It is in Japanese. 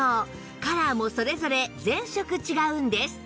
カラーもそれぞれ全色違うんです